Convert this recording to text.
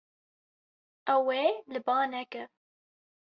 Ew ê li ba neke.